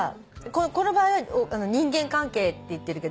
この場合は人間関係って言ってるけど。